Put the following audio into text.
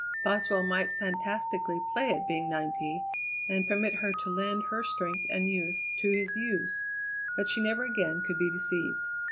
Boswell might fantastically play at being ninety and permit her to lend her strength and youth to his use, but she never again could be deceived.